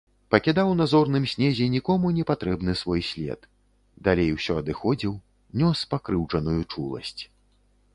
Пакідаў на зорным снезе нікому непатрэбны свой след, далей усё адыходзіў, нёс пакрыўджаную чуласць.